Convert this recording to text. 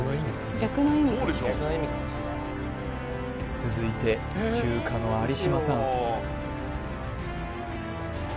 続いて中華の有島さん